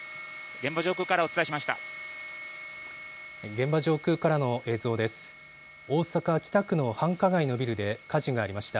現場上空からお伝えしました。